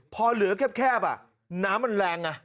พอเหลือแคบน้ำมันแรงไง